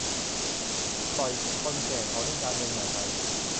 ปล่อยคนแก่เขาเล่น 'การเมืองใหม่' ไป